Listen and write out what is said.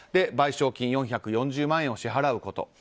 賠償金４４０万円を支払うこと。